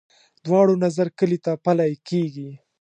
دواړو نظر کلي ته پلی کېږي.